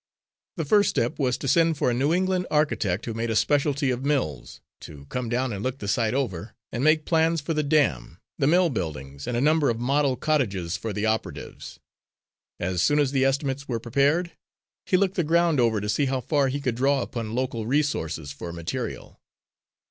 The first step was to send for a New England architect who made a specialty of mills, to come down and look the site over, and make plans for the dam, the mill buildings and a number of model cottages for the operatives. As soon as the estimates were prepared, he looked the ground over to see how far he could draw upon local resources for material.